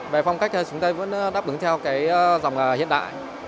về phong cách thì chúng ta vẫn đáp ứng theo cái dòng hiện đại